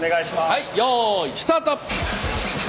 はいよいスタート！